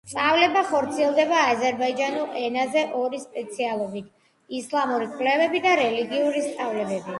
სწავლება ხორციელდება აზერბაიჯანულ ენაზე ორი სპეციალობით: ისლამური კვლევები და რელიგიური სწავლებები.